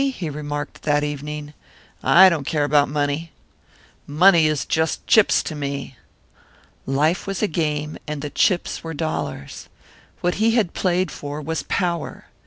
he remarked, that evening. "I don't care about money. Money is just chips to me." Life was a game, and the chips were dollars! What he had played for was power!